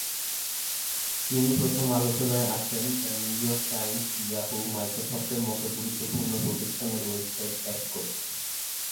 তিনি প্রথম আলোচনায় আসেন, the New York Times, Yahoo!, মাইক্রোসফটের মত গুরুত্বপূর্ণ প্রতিষ্ঠানের ওয়েবসাইট হ্যাক করে।